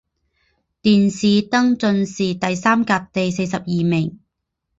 殿试登进士第三甲第四十二名。